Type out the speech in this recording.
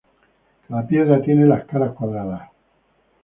Cada piedra tiene las caras cuadradas.